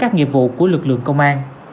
các nghiệp vụ của lực lượng công an